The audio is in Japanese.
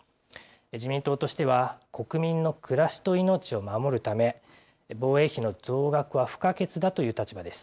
自民党としては、国民の暮らしと命を守るため、防衛費の増額は不可欠だという立場です。